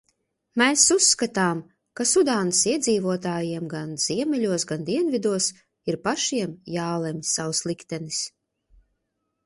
Mēs uzskatām, ka Sudānas iedzīvotājiem gan ziemeļos, gan dienvidos ir pašiem jālemj savs liktenis.